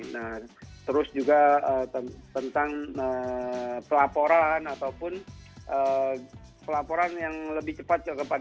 nah terus juga tentang pelaporan ataupun pelaporan yang lebih cepat